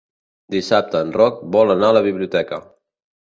Dissabte en Roc vol anar a la biblioteca.